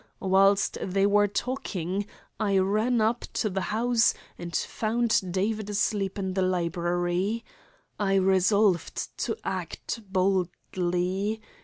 Whilst they were talking, I ran up to the house and found David asleep in the library. I resolved to act boldly.